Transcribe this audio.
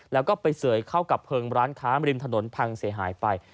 แล้วก็ไปเสยเข้ากับเพลิงร้านค้ามริมถนนพังเสียหายไป